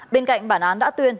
bên cạnh bản án đã tuyên